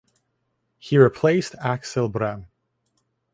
He replaced Aksel Brehm.